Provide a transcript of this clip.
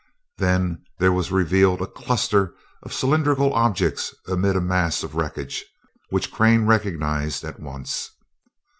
Then there was revealed a cluster of cylindrical objects amid a mass of wreckage, which Crane recognized at once.